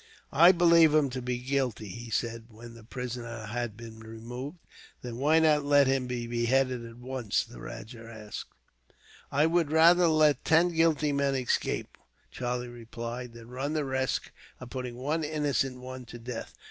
"I believe him to be guilty," he said, when the prisoner had been removed. "Then why not let him be beheaded at once?" the rajah asked. "I would rather let ten guilty men escape," Charlie replied, "than run the risk of putting one innocent one to death.